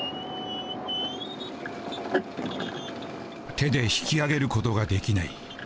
手で引きあげることができない。